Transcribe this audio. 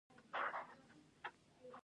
ښه مېړه لکه ګبين خوږ وي